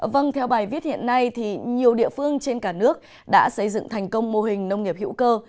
vâng theo bài viết hiện nay thì nhiều địa phương trên cả nước đã xây dựng thành công mô hình nông nghiệp hữu cơ